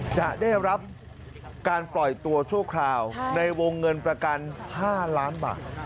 จะได้รับการปล่อยตัวชั่วคราวในวงเงินประกัน๕ล้านบาท